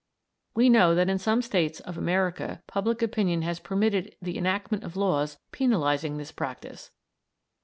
We know that in some of the states of America public opinion has permitted the enactment of laws penalising this practice.